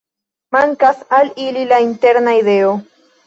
Mankas al ili la interna ideo.